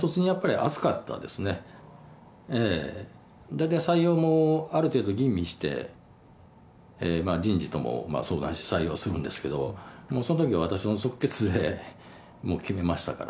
だいたい採用もある程度吟味して人事とも相談して採用するんですけどそのとき私の即決で決めましたから